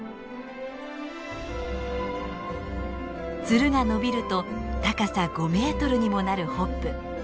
ツルが伸びると高さ５メートルにもなるホップ。